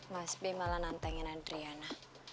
mas be malah nantengin adryana